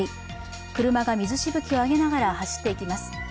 車が水しぶきを上げながら走っていきます。